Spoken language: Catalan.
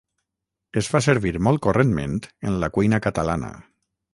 es fa servir molt correntment en la cuina catalana